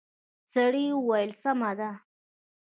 سړي وويل سمه ده.